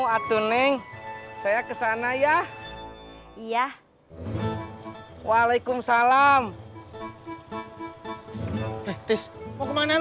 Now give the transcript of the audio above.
kamu deswegen atau hip redesisenda